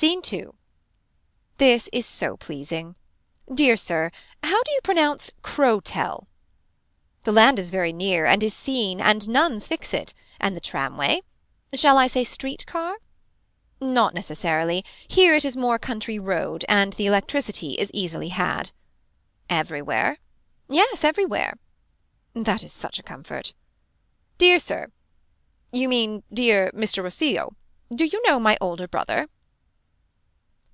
Scene 2. This is so pleasing. Dear Sir. How do you pronounce Crowtell. The land is very near and is seen and nuns fix it. And the tramway. Shall I say street car. Not necessarily here it is more a country road and the electricity is easily had. Everywhere. Yes everywhere. That is such a comfort. Dear sir. You mean dear Mr. Rossilo do you know my older brother.